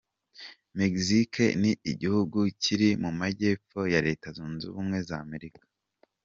Mexique ni igihugu kiri mu Majyepfo ya Leta Zunze Ubumwe za Amerika.